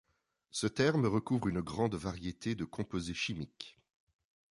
Ce terme recouvre une grande variété de composés chimiques.